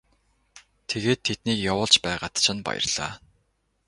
Тэгээд тэднийг явуулж байгаад чинь баярлалаа.